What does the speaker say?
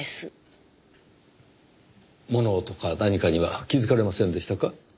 物音か何かには気づかれませんでしたか？